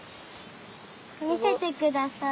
みせてください。